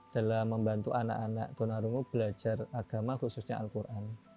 dalam membantu anak anak tunarungu belajar agama khususnya al quran